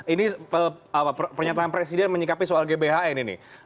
ini pernyataan presiden menyikapi soal gbhn ini